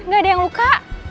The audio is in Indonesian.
gak ada yang luka